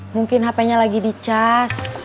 mungkin hp nya lagi dicas